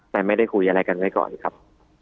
แต่ไม่ได้คุยอะไรกันไว้ก่อนครับ